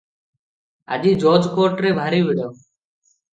ଆଜି ଜଜ୍ କୋର୍ଟରେ ଭାରି ଭିଡ଼ ।